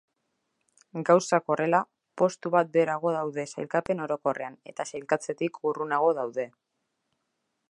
Gauzak horrela, postu bat beherago daude sailkapen orokorrean eta sailkatzetik urrunago daude.